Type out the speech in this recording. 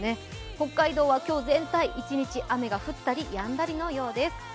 北海道は今日全体、一日雨が降ったりやんだりのようです。